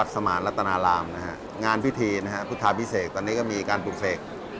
สมานรัตนารามนะครับงานพิธีนะครับพุทธภาพพิเศษตอนนี้ก็มีการปรุษภกษ์